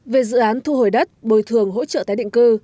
về dự án thu hồi đất bồi thường hỗ trợ tái định cư